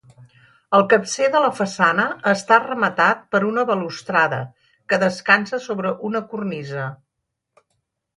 El capcer de la façana està rematat per una balustrada que descansa sobre una cornisa.